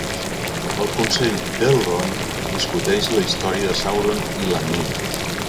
El Consell d'Elrond discuteix la història de Sauron i l'Anell.